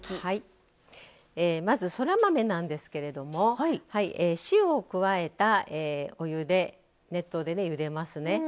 まず、そら豆なんですけれども塩を加えた熱湯でゆでますね。